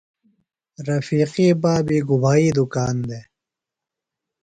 رفیقی بابی گُبھائی دُکان دےۡ؟